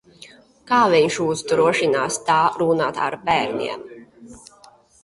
Kā viņš uzdrošinās tā runāt ar bērniem?